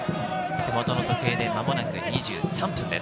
手元の時計で間もなく２３分です。